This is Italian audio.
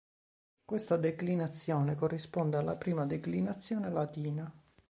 Questa declinazione corrisponde alla prima declinazione latina.